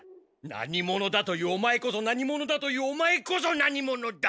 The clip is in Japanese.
何者だと言うオマエこそ何者だと言うオマエこそ何者だ！